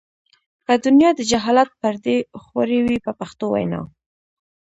په دنیا د جهالت پردې خورې وې په پښتو وینا.